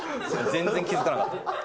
全然気付かなかった。